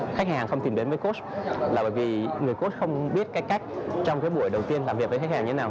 khách hàng không tìm đến với coach là bởi vì người coach không biết cái cách trong cái buổi đầu tiên làm việc với khách hàng như thế nào